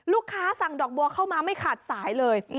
สั่งดอกบัวเข้ามาไม่ขาดสายเลย